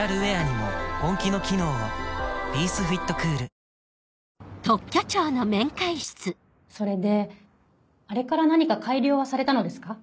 三井不動産それであれから何か改良はされたのですか？